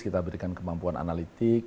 kita berikan kemampuan analitik